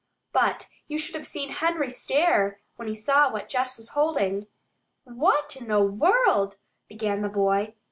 But you should have seen Henry stare when he saw what Jess was holding! "Where in the world " began the boy.